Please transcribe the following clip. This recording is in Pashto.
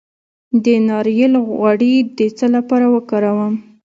د ناریل غوړي د څه لپاره وکاروم؟